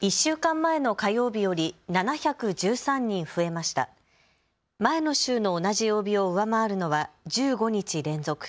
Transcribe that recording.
前の週の同じ曜日を上回るのは１５日連続。